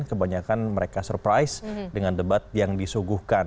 kebanyakan mereka surprise dengan debat yang disuguhkan